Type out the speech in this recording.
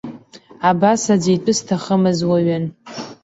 Абас аӡәы итәы зҭахымыз уаҩын.